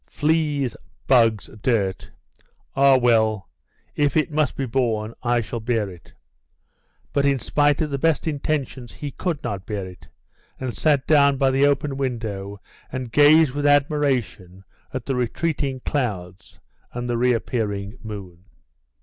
Fleas, bugs, dirt! Ah, well; if it must be borne, I shall bear it." But, in spite of the best of intentions, he could not bear it, and sat down by the open window and gazed with admiration at the retreating clouds and the reappearing moon.